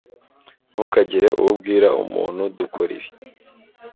Ntukagire uwo ubwira umuntu dukora ibi.